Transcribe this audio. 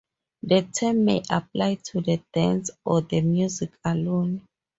The term may apply to the dance or the music alone.